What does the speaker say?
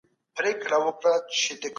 اقتصادي پرمختګ په سوداګرۍ پوري تړلی دی.